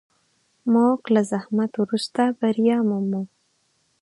موږ له زحمت وروسته بریا مومو.